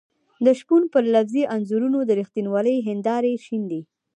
د شپون پر لفظي انځورونو د رښتینولۍ هېندارې شيندي.